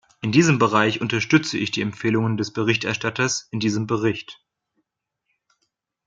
In diesem Bereich unterstütze ich die Empfehlungen des Berichterstatters in diesem Bericht.